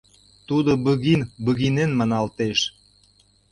Тудо Быгин-Быгинен маналтеш.